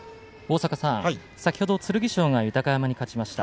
先ほど剣翔が豊山に勝ちました。